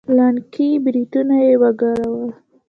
لنډکي برېتونه يې وګرول.